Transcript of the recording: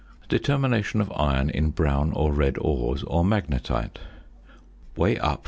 ~Determination of Iron in Brown or Red Ores or Magnetite.~ Weigh up 0.